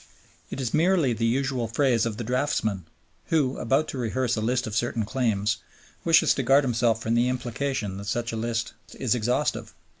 It is merely the usual phrase of the draftsman, who, about to rehearse a list of certain claims, wishes to guard himself from the implication that such list is exhaustive.